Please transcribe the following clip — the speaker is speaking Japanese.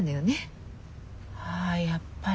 あやっぱり。